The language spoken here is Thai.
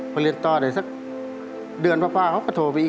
มาเรียนต่อเดี๋ยวสักเดือนพ่อพ่อเขาก็โทรไปอีก